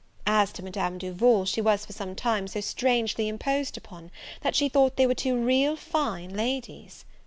As to Madame Duval, she was for some time so strangely imposed upon, that she thought they were two real fine ladies.